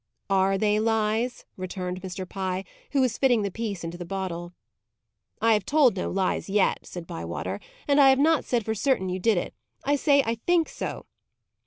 "Are they lies?" returned Mr. Pye, who was fitting the piece into the bottle. "I have told no lies yet," said Bywater. "And I have not said for certain you did it. I say I think so."